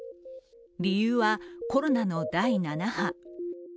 理由はコロナの第７波。